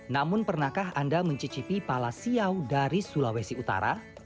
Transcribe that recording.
namun pernahkah anda mencicipi pala siau dari sulawesi utara